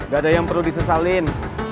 gak ada yang perlu disesalin